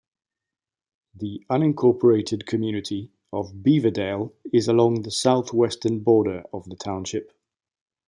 The unincorporated community of Beaverdale is along the southwestern border of the township.